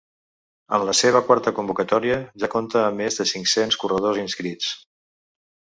En la seva quarta convocatòria ja compta amb més de cinc-cents corredors inscrits.